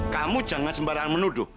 kamu jangan sembarangan menuduh